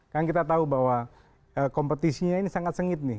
kan kita tahu bahwa kompetisinya ini sangat sengit nih